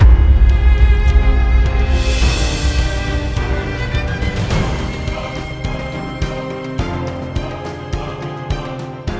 kenapa lu tega